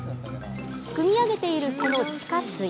くみ上げている、この地下水。